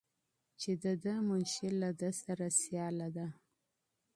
چې د ده منشي له ده سره سیاله ده.